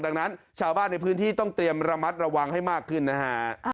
ดังนั้นชาวบ้านในพื้นที่ต้องเตรียมระมัดระวังให้มากขึ้นนะฮะ